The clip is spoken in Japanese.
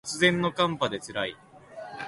突然の寒波で辛い